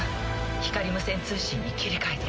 光無線通信に切り替えて。